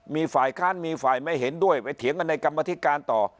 มีฝ่ายค้านมีฝ่ายไม่เห็นด้วยไปเถียงกันในกรรมธิการต่อ